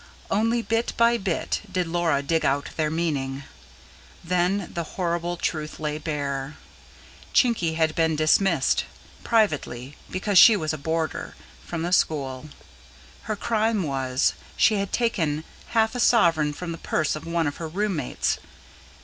Only bit by bit did Laura dig out their meaning: then, the horrible truth lay bare. Chinky had been dismissed privately because she was a boarder from the school. Her crime was: she had taken half a sovereign from the purse of one of her room mates.